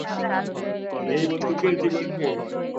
এই বন্দুকের জীবন শেষ।